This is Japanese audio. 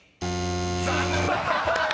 ［残念！］